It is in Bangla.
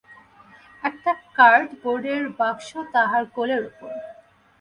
একটা কার্ড বোর্ডের বাক্স তাহার কোলের উপর।